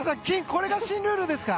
これが新ルールですか？